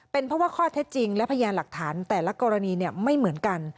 เป็นเพราะว่าข้อเท็จจริงและพยานหลักฐานแต่ละกรณีไม่เหมือนกัน